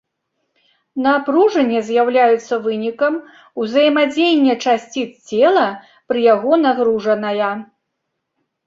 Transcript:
Напружання з'яўляюцца вынікам ўзаемадзеяння часціц цела пры яго нагружаная.